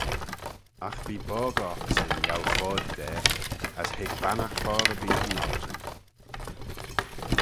Agh bee boggey ocsyn yiow foill da, as hig bannaght foddey beayn orroosyn.